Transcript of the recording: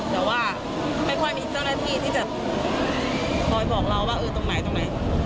แต่ว่าไม่ค่อยมีเจ้าหน้าที่ที่จะคอยบอกเราว่าเออตรงไหนตรงไหน